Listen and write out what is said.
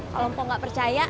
kalau mpok gak percaya